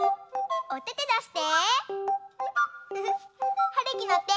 おててだして！